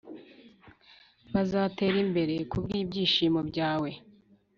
bazatera imbere kubwibyishimo byawe,